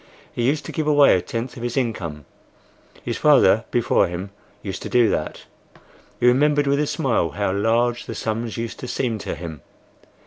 He used to give away a tenth of his income. His father before him used to do that. He remembered, with a smile, how large the sums used to seem to him.